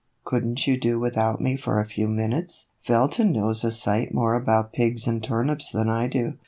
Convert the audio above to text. Could n't you do without me for a few minutes? Felton knows a sight more about pigs and turnips than I do.